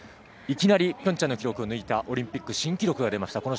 いきなりピョンチャンの記録を抜いたオリンピック新記録が出ました。